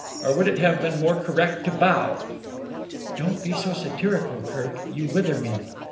Or would it have been more correct to bow?" "Don't be so satirical, Kirk; you wither me.